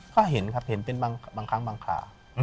ก็เห็นครับเห็นเป็นบางครั้งบางคราว